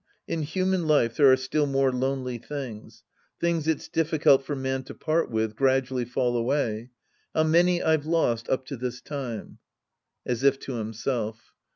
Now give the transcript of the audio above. In human life there are still more lonely things. Things it's difficult for man to part with gradually fall away. How many I've lost up to this time ! {As if to himself.)